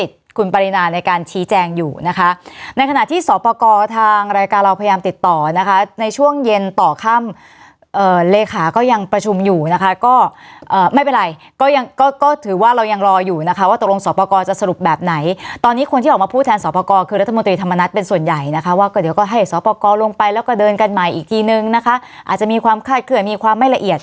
ต่อนะคะในช่วงเย็นต่อข้ามเอ่อเลขาก็ยังประชุมอยู่นะคะก็เอ่อไม่เป็นไรก็ยังก็ก็ถือว่าเรายังรออยู่นะคะว่าตกลงสอบประกอบจะสรุปแบบไหนตอนนี้คนที่ออกมาพูดแทนสอบประกอบคือรัฐมนตรีธรรมนัดเป็นส่วนใหญ่นะคะว่าก็เดี๋ยวก็ให้สอบประกอบลงไปแล้วก็เดินกันใหม่อีกทีนึงนะคะอาจจะมีความคาดเกลือมีความ